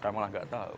saya malah nggak tahu